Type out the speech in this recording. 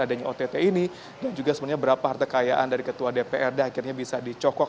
adanya ott ini dan juga sebenarnya berapa harta kekayaan dari ketua dprd akhirnya bisa dicokok